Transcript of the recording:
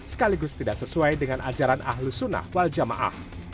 sekaligus tidak sesuai dengan ajaran ahlus sunnah wal jamaah